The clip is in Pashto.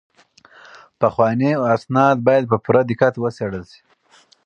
پخواني اسناد باید په پوره دقت وڅیړل شي.